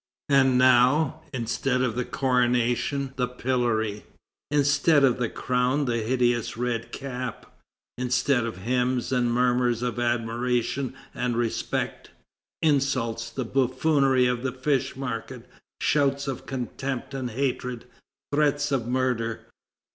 And now, instead of the coronation the pillory; instead of the crown the hideous red cap; instead of hymns and murmurs of admiration and respect, insults, the buffoonery of the fish market, shouts of contempt and hatred, threats of murder.